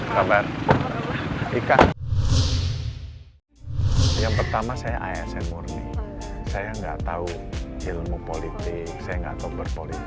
kabar ika yang pertama saya asn murni saya enggak tahu ilmu politik saya nggak tahu berpolitik